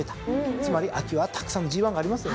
つまり秋はたくさんのＧⅠがありますよね。